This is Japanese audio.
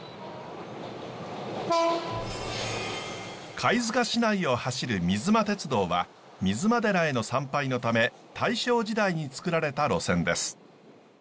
貝塚市内を走る水間鉄道は水間寺への参拝のため大正時代に作られた路線です。